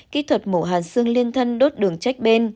kỹ thuật mổ hàn xương liên thân đốt đường trách ben